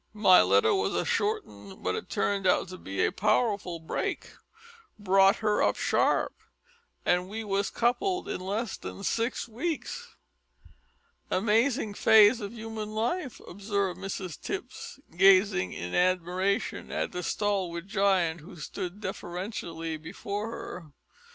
My letter was a short 'un, but it turned out to be a powerful brake. Brought her up sharp an' we was coupled in less than six weeks." "Amazing phase of human life!" observed Mrs Tipps, gazing in admiration at the stalwart giant who stood deferentially before her.